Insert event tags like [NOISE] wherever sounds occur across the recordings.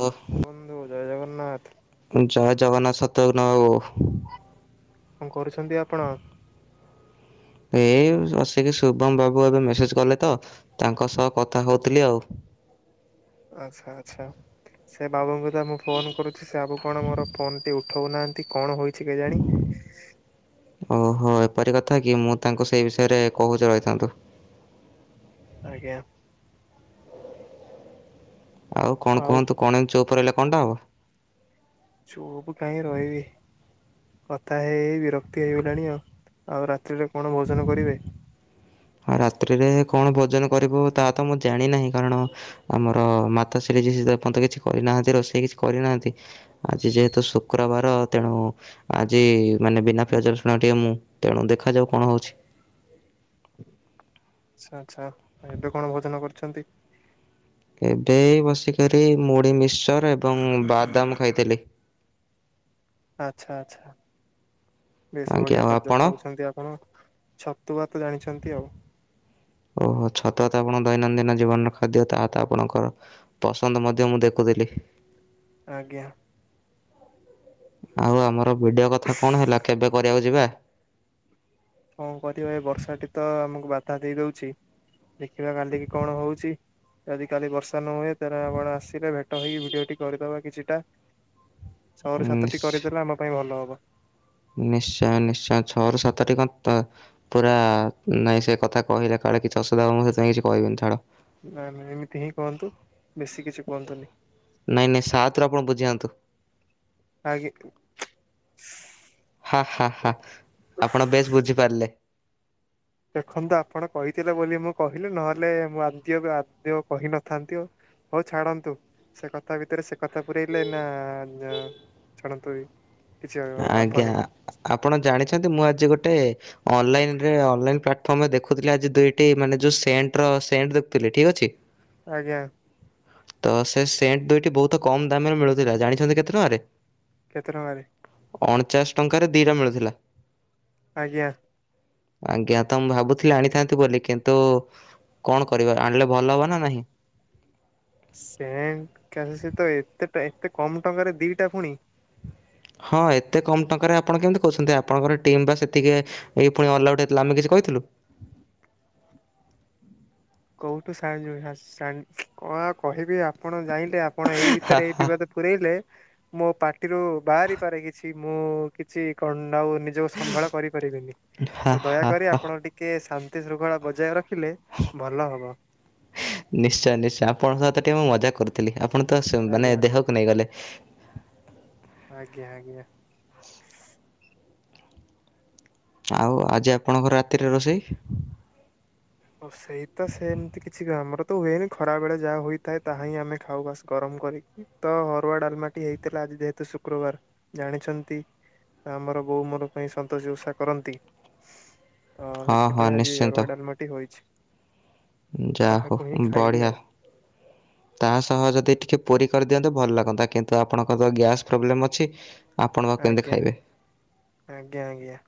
ହଁ। କୁହନ୍ତୁ ଜୟ ଜଗନ୍ନାଥ। ଜୟ ଜଗନ୍ନାଥ ଶତ୍ୟଗ୍ନ ବାବୁ। କଁ କରୁଛନ୍ତି ଆପଣ। ଏଇ ବସିକି ଶୁଭମ ବାବୁ ଏବେ ମେସେଜ କଲେ ତ ତାଙ୍କ ସହ କଥା ହଉଥିଲି ଆଉ। ଆଚ୍ଛା ଆଛା ସେ ବାବୁଙ୍କୁ ତ ମୁଁ ଫୋନ କରୁଛି ସେ ବାବୁ କଣ ମୋର ଫୋନ ଟି ଉ ଉଠଉ ନାହାନ୍ତି କଣ ହୋଇଛି କେଜାଣି। ଓହୋ ଏପରି କଥା କି ମୁଁ ତାଙ୍କୁ ସେଇ ବିଷୟରେ କହୁଛି ରହିଥାନ୍ତୁ। ଆଜ୍ଞା। ଆଉ କଣ କୁହନ୍ତୁ କଣ ଏମତି ଚୁପ ରହିଲେ କଣଟା ହବ। ଚୁପ କାହିଁ ରହିବି କଥା ହେଇ ହେଇ ବିରକ୍ତି ହେଇଗଲାଣି ଆଉ। ଆଉ ରାତ୍ରିରେ କଣ ଭୋଜନ କରିବେ। ଆଉ ରାତ୍ରିରେ କଣ ଭୋଜନ କରିବୁ ତାହା ତ ମୁଁ ଜାଣିନାହିଁ କାରଣ। ଆମର ମାତା ଶ୍ରୀ ଯିଏ ସିଏତ ଏ ପର୍ଯ୍ୟନ୍ତ କିଛି କରିନାହାନ୍ତି ରୋଷେଇ କିଛି କରିନାହାନ୍ତି ଆଜି ଯେହେତୁ ଶୁକ୍ରବାର ତେଣୁ। ଆଜି ମାନେ ବିନା ପିଆଜ ରଶୁଣ ଟିକେ ଊଏ ମୁଁ ତେଣୁ ଦେଖାଯାଉ କଣ ହଉଛି। ଆଚ୍ଛା ଆଚ୍ଛା ଆଉ ଏବେ କଣ ଭୋଜନ କରିଛନ୍ତି? ଏବେ ଏଇ ବସିକରି ମୁ଼ଡି-ମିସ୍ଚର୍ ଏବଂ ବାଦାମ୍ ଖାଇଥିଲି। ଆଚ୍ଛା ଆଚ୍ଛା ବେଶ୍ ଆଜ୍ଞା ବଢ଼ିଆ ଆଉ ଖାଦ୍ୟ ଆପଣ? ଖାଉଛନ୍ତି ଆପଣ। ଛତୁଆ ତ ଜାଣିଛନ୍ତି ଆଉ। ଓହୋ ଛତୁଆ ତ ଆପଣ ଦୈନନ୍ଦିନ ଜୀବନର ଖାଦ୍ୟ, ତାହା ତ ଆପଣଙ୍କର ପସନ୍ଦ ମଧ୍ୟ ମୁଁ ଦେଖୁଥିଲି। ଆଜ୍ଞା। ଆଉ ଆମର ଭିଡିଓ କଥା କଣ ହେଲା, କେବେ କରିବାକୁ ଯିବା? କଁ କରିବା, ଏଇ ବର୍ଷାଟି ତ ଆମକୁ ବାଧା ଦେଇଦଉଛି, ଦେଖିବା କାଲିକି କଣ ହଉଛି। ଯଦି କାଲି ବର୍ଷା ନ ହୁଏ, ତାହାଲେ ଆପଣ ଆସିଲେ, ଭେଟ ହେଇି ଭିଡିଓ ଟି କରିଦବା କିଛିଟା। ଛଅରୁ ସାତଟି ନିଶ୍ଚ- କରିଦେଲେ, ଆମ ପାଇଁ ଭଲ ହବ। ନିଶ୍ଚୟ ନିଶ୍ଚୟ ଛଅରୁ ସାତ ଟି କଁ ତ ପୁରା ନାଇଁ ସେ କଥା କହିଲେ କାଳେ କିଛି ଅସୁବିଧା ହବ, ମୁଁ ସେଥିପାଇଁ କିଛି କହିବିନି, ଛାଡ। ନା ନା ଏମିତି ହିଁ କହନ୍ତୁ, ବେଶୀ କିଛି କୁହନ୍ତୁନି। ନାହିଁ ନାହିଁ ସାତରୁ ଆପଣ ବୁଝିଯାଆନ୍ତୁ। ଆଗି। ହା-ହା-ହା ଆପଣ ବେଶ ବୁଝିପାରିଲେ। ଦେଖନ୍ତୁ ଆପଣ କହିଥିଲେ ବୋଲି, ମୁଁ କହିଲି, ନହେଲେ ମୁଁ ଆଦ୍ୟକୁ କୁ ଆଦ୍ୟ କହିନଥାନ୍ତି ଓ। ହଉ ଛାଡନ୍ତୁ, ସେ କଥା ଭିତରେ, ସେ କଥା ପୁରଇଲେ, ଏଇନା ନ ଛାଡ଼ନ୍ତୁ ଏଇ କିଛି ଲାଭ ଆଜ୍ଞା ନାହିଁ। ଆପଣ ଜାଣିଛନ୍ତି, ମୁଁ ଆଜି ଗୋଟେ। ଅନଲାଇନ୍ ରେ ଅନଲାଇନ୍ ପ୍ଲାଟଫର୍ମ ଦେଖୁଥିଲା ଆଜି ଦୁଇଟି ମାନେ ଯୋଉ ସେଣ୍ଟ ର ସେଣ୍ଟ ଦେଖୁଥିଲି, ଠିକ ଅଛି। ଆଜ୍ଞା। ତ, ସେ ସେଣ୍ଟ ଦୁଇଟି ବହୁତ କମ୍ ଦାମ୍ ରେ ମିଳୁଥିଲା, ଜାଣିଛନ୍ତି କେତେ ଟଙ୍କାରେ? କେତେ ଟଙ୍କାରେ? ଅଣଚାଷ ଟଙ୍କାରେ ଦିଟା ମିଳୁଥିଲା। ଆଜ୍ଞା। ଆଁଜ୍ଞା। ତ ମୁଁ ଭାବୁଥିଲି ଆଣିଥାନ୍ତି ବୋଲି କିନ୍ତୁ କଣ କରିବା ଆଣିଲେ ଭଲ ହବ ନା ନାହିଁ? ସେଣ୍ଟ କାହା ସହିତ ଏତେ ଟା ଏତେ କମ୍ ଟଙ୍କାରେ ଦି ଟା ଫୁଣି। ହଁ ଏତେ କମ୍ ଟଙ୍କାରେ ଆପଣ କେମିତି କହୁଛନ୍ତି? ଆପଣଙ୍କର ଟିମ୍ ପା ସେତିକିଏ ହେଇକି ଫୁଣି ଅଲଆଉଟ୍ ହେଇ ଥିଲା ଆମେ କିଛି କହିଥିଲୁ? କୋଉଠୁ ସାହାଯ୍ୟ ହାସ୍ ସାନ୍ କଣ ଆଉ କହିବି ଆପଣ ଯାଇଁଲେ ଆପଣ ଏଇ ହା ଭିତରେ ଏଇ ହା ବିବାଦକୁ ପୁରେଇଲେ ମୋ ପାଟିରୁ ବାହାରି ପାରେ କିଛି ମୁଁ କିଛି କଣ୍ଡାଉ ନି ଯୋଉ ସମ୍ଭାଳ କରିପାରିବିନି ହା ତ ହା ଦୟାକରି ହା। ଆପଣ ଟିକେ ଶାନ୍ତି ଶୃଙ୍ଖଳା ବଜାୟ ରଖିଲେ ଭଲ ହବ। ନିଶ୍ଚୟ ନିଶ୍ଚୟ ଆପଣଙ୍କ ସହିତ ଟିକେ ମୁଁ ମଜାକ୍ କରୁଥିଲି, ଆପଣ ତ ସୁ ମାନେ ଆଜ୍ଞା ଦେହ କୁ ନେଇଗଲେ। ଆଜ୍ଞା ଆଜ୍ଞା। ଆଉ ଆଜି ଆପଣଙ୍କର ରାତିରେ ରୋଷେଇ? ରୋସେଇତ ସେମ୍ତି କିଛି ଘ ଆମର ତ ହୁଏନି ଖରା ବେଳେ ଯାହା ହୋଇଥାଏ, ତାହାହିିଁ ଆମେ ଖାଉ ବାସ୍ ଗରମ କରି। ତ ହରୁଆ ଡାଲ୍ମାଟି ହେଇଥିଲା, ଆଜି ଯେହେତୁ ଶୁକ୍ରବାର୍ ଜାଣିଛନ୍ତି। ଆମର ବୋଉ ମୋର ପାଇଁ ସନ୍ତୋଷି ଉଷା କରନ୍ତି। ତ ହଁ ହଁ ସେଥିପାଇଁ ଆଜି ନିଶ୍ଚିନ୍ତ ଅରୁଆ ଡାଲ୍ମାଟି ହୋଇଛି, ଯା ହଉ ତାହାକୁ ହିଁ ଖାଇବି ବଢ଼ିଆ। ଆଉ। ତା ସହ ଯଦି ଟିକେ ପୁରୀ କରିଦିଅନ୍ତେ ଭଲ୍ ଲାଗନ୍ତା, କିନ୍ତୁ ଆପଣଙ୍କର ତ ଗ୍ୟାସ୍ ପ୍ରୋବ୍ଲେମ୍ ଅଛି। ଆପଣ ବା କେମିତି ଆଜ୍ଞା, ଖାଇବେ? ଆଜ୍ଞା ଆଜ୍ଞା।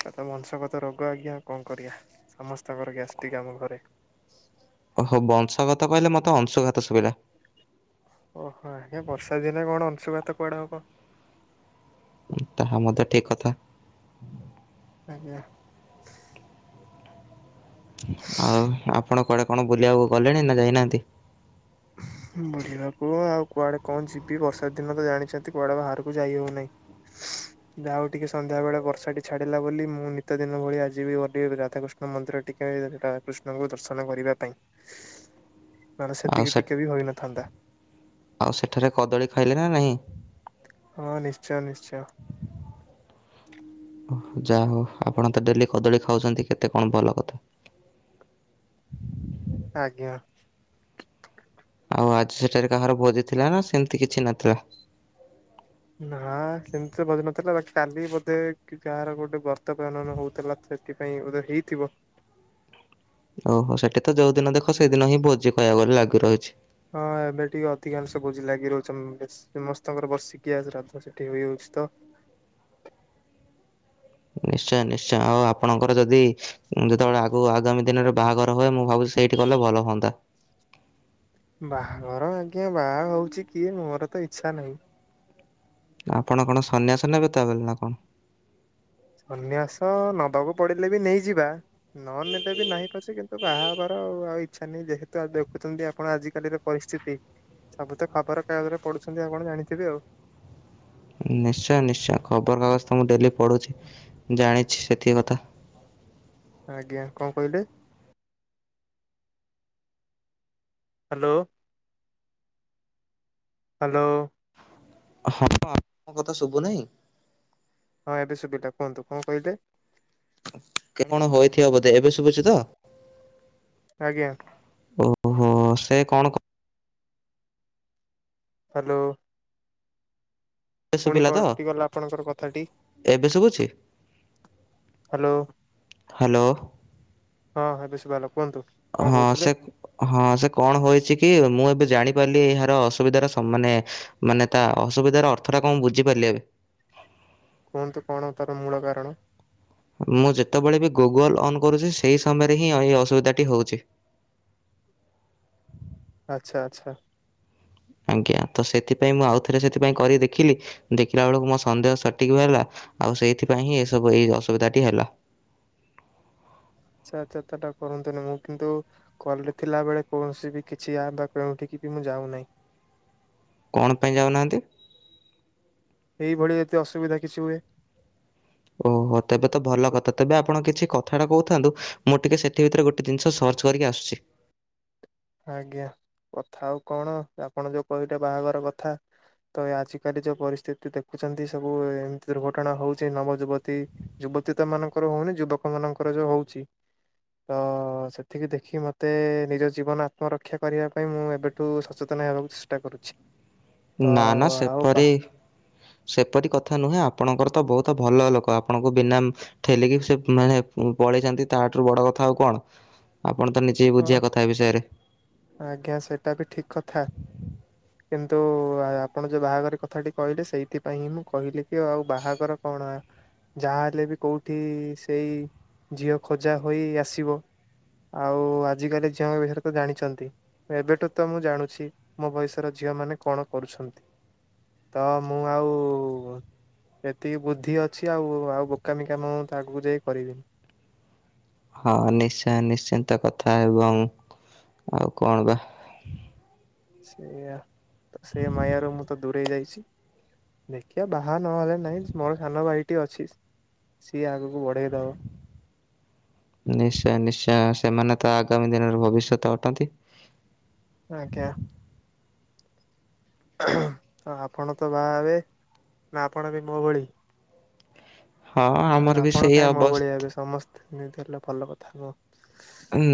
ସେତ ବଂଶଗତ ରୋଗ ଆଜ୍ଞା କଁ କରିଆ? ସମସ୍ତଙ୍କର ଗ୍ୟାସ୍ଟିକ୍ ଆମ ଘରେ। ଓହୋ ବଂଶଗତ କହିଲେ, ମୋତେ ଅଂଶୁଘାତ ଶୁଭିଲା। ଓହୋ ହେ ବର୍ଷା ଦିନେ କଣ ଅଂଶୁଘାତ କୁଆଡ଼େ ହବ? ହୁଁ ତାହା ମଧ୍ୟ ଠିକ୍ କଥା। ଆଜ୍ଞା। ଆଉ ଆପଣ କୁଆଡେ କଣ ବୁଲିବାକୁ ଗଲେଣି ନା ଯାଇନାହାନ୍ତି? ବୁଲିବାକୁ ଆଉ କୁଆଡେ କଣ ଯିବି ବର୍ଷା ଦିନ ତ ଜାଣିଛନ୍ତି କୁଆଡେ ଭାରକୁ ଯାଇ ହେଉନାହିଁ। [INAUDIBLE] ଯାଆହୋଉ ଟିକେ ସନ୍ଧ୍ୟା ବେଳେ ବର୍ଷା ଟି ଛାଡିଲା ବୋଲି ମୁଁ ନିିତ ଦିନ ଭଳିଆ ଆଜିିବି ଘଣ୍ଟିଏ ରାଧାକୃଷ୍ଣ ଷ୍ଣ ମନ୍ଦିର ଟିକେ ରାକୃଷ୍ଣଙ୍କୁ ଦର୍ଶନ କରିବା ପାଇଁ। ମନେ ଆଉ ସେତିକି ସେ ଟିକେ ବି ହୋଇ ନଥାନ୍ତା। ଆଉ ସେଠାରେ କଦଳୀ ଖାଇଲେ ନା ନାହିଁ? ହଁ ନିଶ୍ଚୟ ନିଶ୍ଚୟ। [INAUDIBLE] ଉହୁଁ ଯାହା ହୋଉ ଆପଣ ତ ଡେଲି କଦଳୀ ଖାଉଛନ୍ତି କେତେ କଣ ଭଲ କଥା। ଆଜ୍ଞା। ଆଉ ଆଜି ସେଠାରେ କାହାର ଭୋଜି ଥିଲା ନା ସେମିତି କିଛି ନଥିଲା? ନା ସେମିତି ତ ଭୋଜି ନଥିଲା ବାକି କାଲି ବୋଧେ କି କାହାର ଗୋଟେ ବର୍ତ୍ତ ପ୍ରଣନ ହୋଉଥୁଲା। ସେଥିପାଇଁ ଉଦୁ ହେଇଥିବ। ଓହୋ ସେଠି ତ ଯୋଉ ଦିନ ଦେଖ ସେଇଦିନ ହିଁ ଭୋଜି କାଇବାକୁ ଗଲେ ଲାଗି ରହିଛି। ହଁ ଏବେ ଟିକେ ଅଧିକାଂଶ ବୋଜି ଲାଗି ରହୁଛନ୍ ବେଶ୍ ସମସ୍ତଙ୍କର ବର୍ଷିକିଆ ଶ୍ରାଦ୍ଧ ସେଠି ହୋଇଯାଉଛି ତ? ନିଶ୍ଚୟ ନିଶ୍ଚୟ ଆଉ ଆପଣଙ୍କର ଯଦି ଯେତେବେଳେ ଆଗୁକୁ ଆଗାମୀ ଦିନରେ ବାହାଘର ହୁଏ ମୁଁ ଭାବୁଛି ସେଇଠି କଲେ ଭଲ ହଅନ୍ତା ବାହାଘର ଆଜ୍ଞା ବାହା ହୋଉଛି କିଏ ମୋର ତ ଇଚ୍ଛା ନାହିଁ। ଆପଣ କଣ ସନ୍ନ୍ୟାସ ନେବେ ତାରେ ନା କଣ? ସନ୍ନ୍ୟାସ ନବାକୁ ପଡିଲେ ବି ନେଇଯିବା। ନ ନେଲେ ବି ନାହିଁ ପଛେ କିନ୍ତୁ ବାହା ହେବାର ଆ ଆଉ ଇଚ୍ଛା ନାହିଁ ଯେହେତୁ ଦେଖୁଛନ୍ତି ଆପଣ ଆଜିକାଲିର ପରିସ୍ଥିତି ସବୁ ତ ଖବର କାଗଜରେ ପଡ଼ୁଛନ୍ତି ଆପଣ ଜାଣିଥିବେ ଆଉ। ନିଶ୍ଚୟ ନିଶ୍ଚୟ ଖବରକାଗଜ ତ ମୁଁ ଡେଲି ପଢ଼ୁଚି ଜାଣିଛି ସେତିକି କଥା। ଆଜ୍ଞା କଣ କହିଲେ? ହ୍ୟାଲୋ। ହ୍ୟାଲୋ। ହଁଁ ମୋ କଥା ଶୁବୁ ନାଇଁ? ହଁ ଏବେ ସୁବିଲା କୁହନ୍ତୁ କଣ କହିଲେ? କଣ ହୋଇଥିବ ବୋଧେ ଏବେ ସୁବୁଚି ତ? ଆଜ୍ଞା। ଓହୋ ସେ କଣ କ ହ୍ୟାଲୋ। ଏବେ ପୁଣି ଶୁବିଲା ତ କଟିଗଲା ଆପଣଙ୍କର କଥାଟି ଏବେ ଶୁବୁଛି? Hello hello. ହଁ ଏବେ ଶୁଭାଗଲା କୁହନ୍ତୁ? କଣ ହଁ କହୁଥିଲେ ସେକ ହଁ ସେ କଣ ହୋଇଛି କି ମୁଁ ଏବେ ଜାଣିପାରିଲି ଏହାର ଅସୁବିଧାର ସ ମାନେ ମାନେ ତା ଅସୁବିଧାର ଅର୍ଥଟା କଣ ବୁଝିପାରିଲି ଏବେ। କୁହନ୍ତୁ କଣ ତାର ମୂଳ କାରଣ? ମୁଁ ଯେତେବେଳେ ବି ଗୁଗଲ ଅନ୍ କରୁଚି ସେଇ ସମୟରେ ହିଁ ଏଇ ଅସୁବିଧାଟି ହେଉଛି। ଆଚ୍ଛା ଆଚ୍ଛା। ଆଜ୍ଞା ତ ସେଥିପାଇଁ ମୁଁ ଆଉଥରେ ସେଥିପାଇଁ କରି ଦେଖିଲି ଦେଖିଲା ବେଳକୁ ମୋ ସନ୍ଦେହ ସଠିକ ହେଲା ଆଉ ସେଇଥିପାଇଁ ହିଁ ଏସବୁ ଏଇ ଅସୁବିଧା ଟି ହେଲା। ଆଛା ଆଛ [UNINTELLIGIBLE] ଚଟା କରନ୍ତୁନି ମୁଁ କିନ୍ତୁ କଲ ରେ ଥିଲା ବେଳେ କୌଣସି ବି କିଛି ଆପ ବା କେଉଠି ବି ମୁଁ ଯାଉନାହିଁ। କଣ ପାଇଁ ଯାଉନାହାଁନ୍ତି? ଏଇଭଳି ଏତେ ଅସୁବିଧା କିଛି ହୁଏ। ଓହୋ ତେବେ ତ ଭଲ କଥା ତେବେ ଆପଣ କିଛି କ କଥାଟା କହୁଥାନ୍ତୁ ମୁଁ ଟିକିଏ ସେଥିି ଭିତରେ ଗୋଟଏ ଜିନିଷ ସର୍ଚ କରିକି ଆସୁଛି। ଆଜ୍ଞା କଥା ଆଉ କଣ ଆପଣ ଯୋଉ କହିଲେ ବାହାଘର କଥା ତ ଆଜିକାଲି ଯୋଉ ପରିସ୍ଥିତି ଦେଖୁଛନ୍ତି ସବୁ ଏମିତି ଦୁର୍ଘଟଣା ହଉଛି ନବ ଯୁବତୀ ଯୁବତୀ ତ ମାନଙ୍କର ହଉନି ଯୁବକ ମାନଙ୍କର ଯୋଉ ହଉଛି ତ ସେଥିକି ଦେଖି ମତେ ନିଜ ଜୀବନ ପରକ୍ଷା କରିବା ପାଇଁ ମୁଁ ଏବେଠୁ ସଚେତନ ହେବାକୁ ଚେଷ୍ଟା କରୁଛି। ତ ନା ନା ଆଉ ବା ସେପରି ସେପରି କଥା ନୁହେଁ ଆପଣଙ୍କର ତ ବହୁତୁ ଭଲ ଲୋକ ଆପଣଙ୍କୁ ବିନା ଠେଲିକି ସେ ମାନେ ପଳେଇଚନ୍ତି ତାଠାରୁ ବଡ କଥା ଆଉ କଣ ଆପଣ ତ କିଛି ବୁଝିିବା କଥା ବିଷୟରେ। ଆଜ୍ଞା ସେଇଟା ବି ଠିକ୍ କଥା। କିନ୍ତୁ ଆପଣ ଯୋଉ ବାହାଘର କଥାଟି କହିଲେ ସେଇଥିପାଇଁ ହିଁ ମୁଁ କହିଲି କି ଆଉ ବାହାଘର କଣ ଯାହାହେଲେ ବି କେଉଠି ସେଇ ଝିଅ ଖୋଜା ହୋଇ ଆସିବ। ଆଉ ଆଜିକାଲି ଝିଅଙ୍କ ବିଷୟରେ ତ ଜାଣିଛନ୍ତି ଏବେଠୁ ତ ମୁଁ ଜାଣୁଛି ମୋ ବୟସ ର ଝିଅ ମାନେ କଣ କରୁଛନ୍ତି ତ ମୁଁ ଆଉ ଏତିକି ବୁଦ୍ଧି ଅଛି ଆଉ ଆଉ ବୋକାମି କାମ ମୁଁ ତ ଆଗକୁ ଯାଇ କରିବିନି। ହଁ ନିଶ୍ଚୟ ନିଶ୍ଚିନ୍ତ କଥା ଏବଂ ଆଉ କଣ ବା ସେଆ ତ ସେ ମାୟାରୁ ମୁଁ ତ ଦୂରେଇ ଯାଇଛି। ଦେଖିବା ବାହା ନହେଲେ ନାହିଁ ମୋର ସାନ ଭାଇଟି ଅଛି ସିଏ ଆଗକୁ ବଢ଼େଇ ଦବ। ନିଶ୍ଚୟ ନିଶ୍ଚୟ ସେମାନେ ତ ଆଗାମୀ ଦିନରେ ଭବିଷ୍ୟତ ଅଟନ୍ତି। ଆଜ୍ଞା। ହଁ ଆପଣ ତ ବାହା ହେବେ, ନା ଆପଣ ବି ମୋ ଭଳି? ହଁ ଆମର ନା ବି ଆପଣ ସେଇ କାହିଁ ମୋ ଅବସ୍ଥା। ଭଳିଆ ହେବେ ସମସ୍ତେ ଏମିତି ହେଲେ ଭଲ କଥା ନୁହ।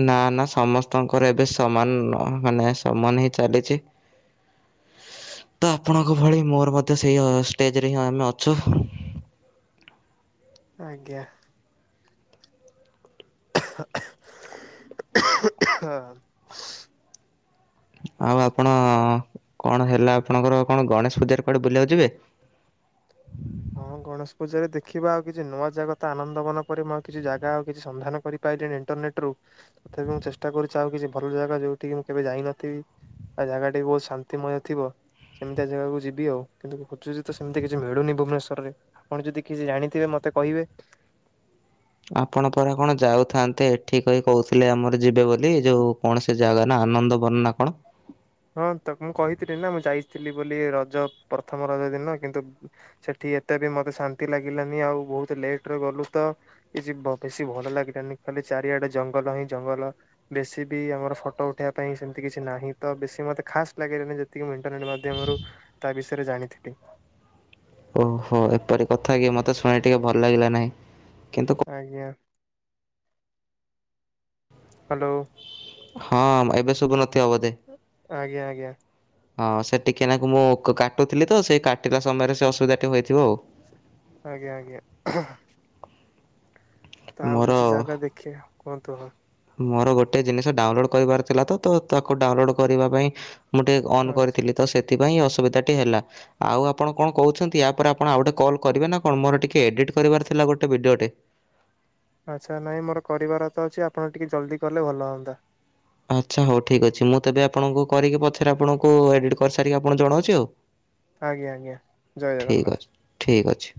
ନା ନା ସମସ୍ତଙ୍କର ଏବେ ସମାନ ମାନେ ସମାନ ହଁ ଚାଲିଛି। ତ ଆପଣଙ୍କ ଭଳି ମୋର ମଧ୍ୟ ସେଇ ଷ୍ଟେଜରେ ହିଁ ଆମେ ଅଛୁ। ଆଜ୍ଞା। [UNINTELLIGIBLE] ଆଉ ଆଚ୍ଛା ଆପଣ ଆଚ୍ଛା। କଣ ହେଲା ଆପଣଙ୍କର କଣ ଗଣେଶ ପୂଜାରେ କୁଆଡେ ବୁଲିବାକୁ ଯିବେ? ହଁ ଗଣେଶ ପୂଜାରେ ଦେଖିବା ଆଉ କିଛି ନୂଆ ଜାଗା ତ ଆନନ୍ଦ ମନ ପରେ ଆଉ କିଛି ଜାଗା ଆଉ କିଛି ସନ୍ଧାନ କରି ପାଇଲିଣି ଇଣ୍ଟରନେଟ ରୁ ତଥାପି ମୁଁ ଚେଷ୍ଟା କରୁଛି ଆଉ କିଛି ଭଲ ଜାଗା ଯଉଠି ମୁଁ କେବେ ଯାଇନଥିବି ଆଉ ଜାଗା ଟିକେ ବହୁତ ଶାନ୍ତିମୟ ଥିବ। ସେମିତିଆ ଜାଗାକୁ ଯିବି ଆଉନ୍ତୁ ଖୋଜୁଚି ତ ସେମତି କିଛି ମିଳୁନି ଭୁବନେଶ୍ୱ ସର ରେ ଆପଣ ଯଦି କିଛି ଜାଣିଥିବେ ମତେ କହିବେ? ଆପଣ ପରା କଣ ଯାଉଥାନ୍ତେ ଏଠି କ ହି କହୁଥିଲେ ଆମର ଯିବେ ବୋଲି ଯୋଉ କଣ ସେ ଜାଗା ନାଁ ଆନନ୍ଦ ବନ ନା କଣ? ହଁ ତ ମୁଁ କହିଥିଲି ନା ମୁଁ ଯାଇଥିଲି ବୋଲି ରଜ ପ୍ରଥମ ରଜ ଦିନ କିନ୍ତୁ ସେଠି ଏତେ ବି ମତେ ଶାନ୍ତି ଲାଗିଲାନି ଆଉ ବହୁତ ଲେଟରେ ଗଲୁ ତ କିଛି ବେଶୀ ଭଲ ଲାଗିଲାନି ଖାଲି ଚାରିଆଡେ ଜଙ୍ଗଲ ହିଁ ଜଙ୍ଗଲ। ବେଶୀ ବି ଆମର ଫଟୋ ଉଠେଇବା ପାଇଁ ସେମିତି କିଛି ନାହିଁ ତ ବେଶୀ ମତେ ଖାସ୍ ଲାଗିଲାନି ଯେତିକି ମୁଁଇଣ୍ଟରନଟ ମାଧ୍ୟମରୁ ତା ବିଷୟରେ ଜାଣିଥିଲି। ଓହୋ ଏପରି କଥା କି ମତେ ଶୁଣ ଟିକେ ଭଲ ଲାଗିଲା ନାହିଁ କିନ୍ତୁ ଆଜ୍ଞା। ହ୍ୟାଲୋ। ହଁ ଏବେ ସୁବୁ ନଥିବ ବୋଧେ? ଆଜ୍ଞା ଆଜ୍ଞା। ହଁ ସେ ଟିକିଏନାକୁ ମୁଁ କାଟୁଥିଲି ତ ସେଇ କାଟିଲା ସମୟରେ ସେ ଅସୁବିଧାଟି ହୋଇଥିବ ଆଉ। ଆଜ୍ଞା ଆଜ୍ଞା। ତ ଆଉ ମୋର କିଛି ଜାଗା ଦେଖିବା କୁହନ୍ତୁ ହଁ। ମୋର ଗୋଟଏ ଜିନିଷ ଡାଉନଲୋଡ଼୍ କରିବାର ଥିଲା ତ ତ ତାକୁ ଡାଉନଲୋଡ଼୍ କରିବା ପାଇଁ ମୁଁ ଟିକିଏ ଅନ୍ କରିଥିଲି ତ ସେଥିପାଇଁ ଅସୁବିଧାଟି ହେଲା। ଆଉ ଆପଣ କଣ କହୁଛନ୍ତି ୟା ପରେ ଆପଣ ଆଉଗୋଟେ କଲ କରିବେ ନା କଣ ମୋର ଟିକେ ଏଡିଟ୍ କରିବାର ଥିଲା ଗୋଟେ ଭିଡିଓଟେ। ଆଚ୍ଛା ନାହିଁ ମୋର କରିବାର ତ ଅଛି ଆପଣ ଟିକିଏ ଜଲ୍ଦି କଲେ ଭଲ ହୁଅନ୍ତା। ଆଚ୍ଛା ହଉ ଠିକ୍ ଅଛି ମୁଁ ତେବେ ଆପଣଙ୍କୁ କରିକି ପଛରେ ଆପଣଙ୍କୁ ଏଡ଼ିଟ୍ କରିସାରିକି ଆପଣଙ୍କୁ ଜଣଉଛି ଆଉ। ଆଜ୍ଞା ଆଜ୍ଞା ଜୟ ଜଗନ୍ନାଥ। ଠିକ ଅଛି।